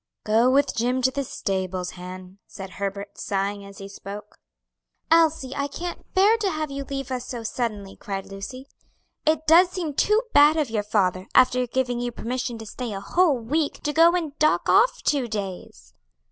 "Go with Jim to the stables, Han," said Herbert, sighing as he spoke. "Elsie, I can't bear to have you leave us so suddenly," cried Lucy; "it does seem too bad of your father, after giving you permission to stay a whole week, to go and dock off two days."